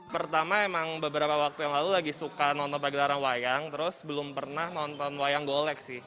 pertama emang beberapa waktu yang lalu lagi suka nonton pagelaran wayang terus belum pernah nonton wayang golek sih